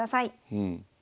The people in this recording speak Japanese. うん。